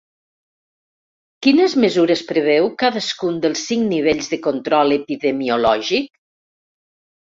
Quines mesures preveu cadascun dels cinc nivells de control epidemiològic?